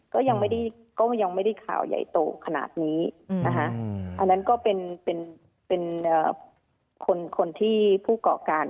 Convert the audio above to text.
ก็ยังไม่ได้ข่าวใหญ่โตขนาดนี้อันนั้นก็เป็นคนที่ผู้เกาะการ